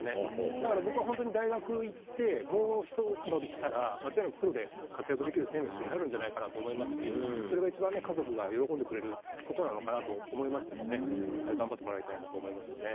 なので僕は本当に大学行って、もう一伸びしたら、間違いなくプロで活躍できる選手になるんじゃないかなと思いますし、それが一番ね、家族が喜んでくれることなのかなと思いますのでね、頑張ってもらいたいなと思いますけどね。